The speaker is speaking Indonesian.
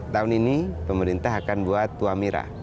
tahun ini pemerintah akan buat wamira